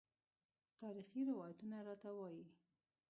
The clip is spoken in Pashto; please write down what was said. تاریخي روایتونه راته وايي.